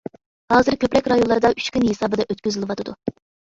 ھازىر كۆپرەك رايونلاردا ئۈچ كۈن ھېسابىدا ئۆتكۈزۈلۈۋاتىدۇ.